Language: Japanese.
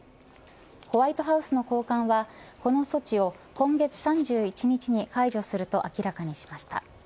ホワイトハウスの高官はこの措置を今月３１日に解除すると明らかにしました。